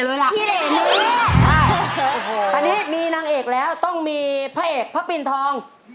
อันนี้มีนางเอกแล้วต้องมีพระเอกพระปินทอง